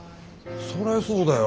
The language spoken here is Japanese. そりゃそうだよ。